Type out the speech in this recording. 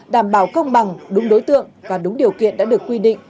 đảm bảo công bằng đúng đối tượng và đúng điều kiện đã được quy định